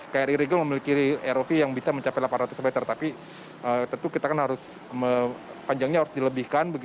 kri regal memiliki rov yang bisa mencapai delapan ratus meter tapi tentu kita kan harus panjangnya harus dilebihkan